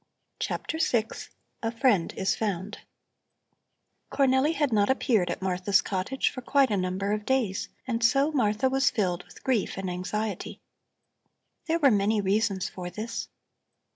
CHAPTER VI A FRIEND IS FOUND Cornelli had not appeared at Martha's cottage for quite a number of days, and so Martha was filled with grief and anxiety. There were many reasons for this.